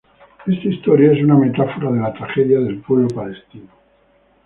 Esta historia es una metáfora de la tragedia del pueblo palestino.